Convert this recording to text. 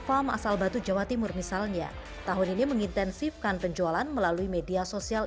farm asal batu jawa timur misalnya tahun ini mengintensifkan penjualan melalui media sosial